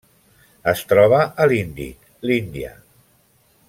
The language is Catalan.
Es troba a l'Índic: l'Índia.